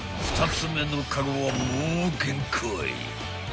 ［２つ目のカゴはもう］